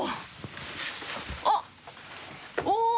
あっお！